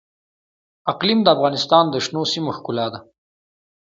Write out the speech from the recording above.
اقلیم د افغانستان د شنو سیمو ښکلا ده.